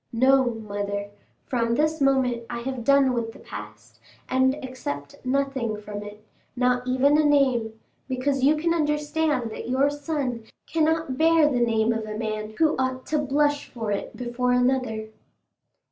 No, mother; from this moment I have done with the past, and accept nothing from it—not even a name, because you can understand that your son cannot bear the name of a man who ought to blush for it before another."